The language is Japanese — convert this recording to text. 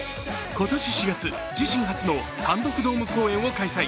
今年４月、自身初の単独ドーム公演を開催。